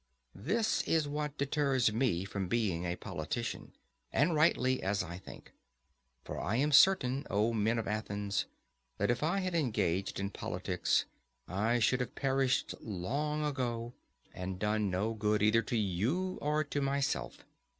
This is what deters me from being a politician. And rightly, as I think. For I am certain, O men of Athens, that if I had engaged in politics, I should have perished long ago, and done no good either to you or to myself.